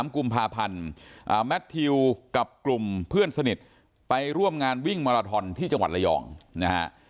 กุมภาพันธ์แมททิวกับกลุ่มเพื่อนสนิทไปร่วมงานวิ่งมาราทอนที่จังหวัดระยองนะฮะ